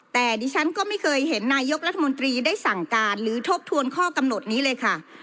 แต่ดิฉันก็ไม่เคยเห็นนายกรัฐมนตรีได้สั่งการหรือทบทวนข้อกำหนดนี้เลยค่ะ